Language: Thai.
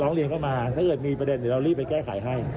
เรียนเข้ามาถ้าเกิดมีประเด็นเดี๋ยวเรารีบไปแก้ไขให้